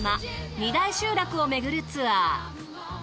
２大集落を巡るツアー。